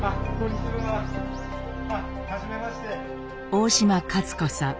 大島勝子さん